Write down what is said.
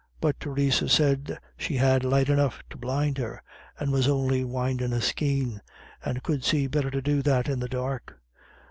But Theresa said she had light enough to blind her, and was only winding a skein, and could see better to do that in the dark.